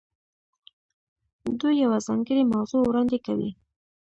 دوی یوه ځانګړې موضوع وړاندې کوي.